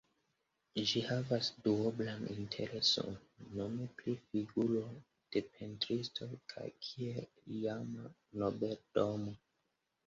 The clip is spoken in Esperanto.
Ĝi havas duoblan intereson, nome pri figuro de pentristo kaj kiel iama nobeldomo.